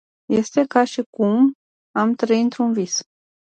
Este ca și cum am trăi într-un vis!